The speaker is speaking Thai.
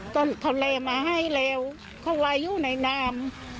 จะทะเลมาให้เร็วเขาว่าอยู่ในนาม